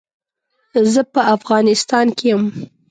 زه په افغانيستان کې يم.